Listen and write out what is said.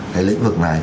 cái lĩnh vực này